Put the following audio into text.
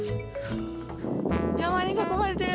山に囲まれてる。